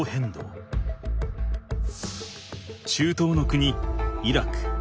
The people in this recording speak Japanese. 中東の国イラク。